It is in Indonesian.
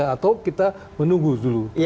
atau kita menunggu dulu